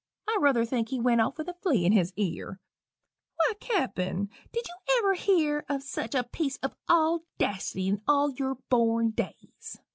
I ruther think he went off with a flea in his ear. Why, Cappen did ye ever hear of such a piece of audacity in all yer born days?